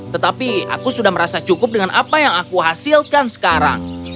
tetapi aku sudah merasa cukup dengan apa yang aku hasilkan sekarang